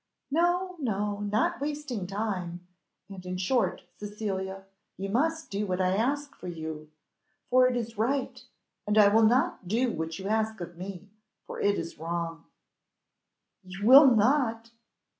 "No, no not wasting time; and in short, Cecilia, you must do what I ask of you, for it is right; and I will not do what you ask of me, for it is wrong." "You will not!